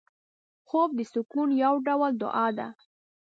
خوب د سکون یو ډول دعا ده